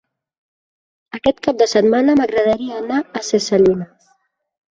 Aquest cap de setmana m'agradaria anar a Ses Salines.